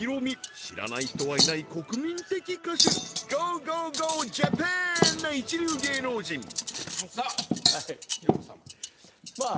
知らない人はいない国民的歌手ゴーゴーゴージャパン！な一流芸能人さあひろみ様